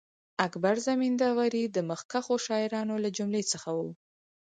اکبر زمینداوری د مخکښو شاعرانو له جملې څخه وو.